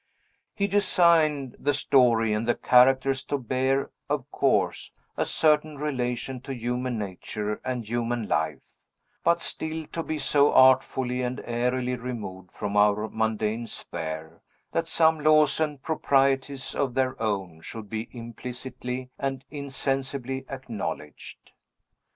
He designed the story and the characters to bear, of course, a certain relation to human nature and human life, but still to be so artfully and airily removed from our mundane sphere, that some laws and proprieties of their own should be implicitly and insensibly acknowledged.